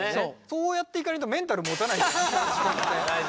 そうやっていかないとメンタルもたないんだよね。